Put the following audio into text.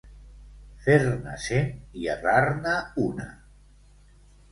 Fer-ne cent i errar-ne una.